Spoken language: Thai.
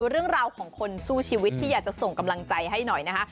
เรื่องราวของคนสู้ชีวิตที่อยากจะส่งกำลังใจให้หน่อยนะคะ